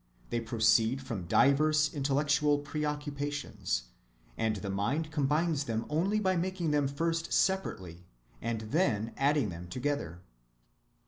They proceed from diverse intellectual preoccupations, and the mind combines them only by making them first separately, and then adding them together.